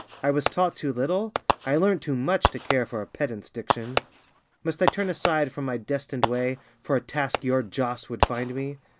'I was taught too little?' I learnt too much To care for a pedant's diction! Must I turn aside from my destined way For a task your Joss would find me?